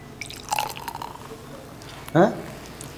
আমি এখানে আটকা পড়েছি।